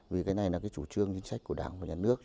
vì cái này là cái chủ trương chính sách của đảng và nhà nước